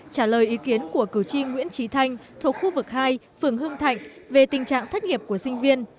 trả lời ý kiến của cử tri nguyễn trí thanh thuộc khu vực hai phường hưng thạnh về tình trạng thất nghiệp của sinh viên